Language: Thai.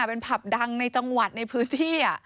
เป็นผับดังในจังหวัดในพื้นที่